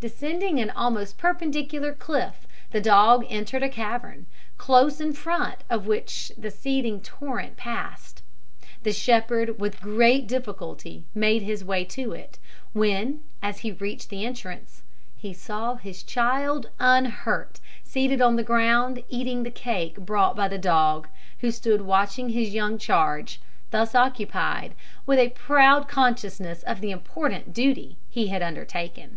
Descending an almost perpendicular cliff, the dog entered a cavern, close in front of which the seething torrent passed. The shepherd with great difficulty made his way to it, when, as he reached the entrance, he saw his child, unhurt, seated on the ground eating the cake brought by the dog, who stood watching his young charge thus occupied, with a proud consciousness of the important duty he had undertaken.